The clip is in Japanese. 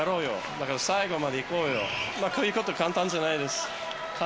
だから最後まで行こうよ、こういうこと簡単じゃないです。